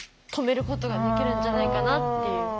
止めることができるんじゃないかなっていう。